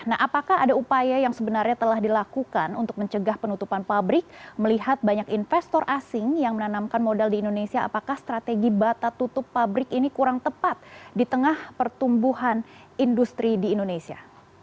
nah apakah ada upaya yang sebenarnya telah dilakukan untuk mencegah penutupan pabrik melihat banyak investor asing yang menanamkan modal di indonesia apakah strategi bata tutup pabrik ini kurang tepat di tengah pertumbuhan industri di indonesia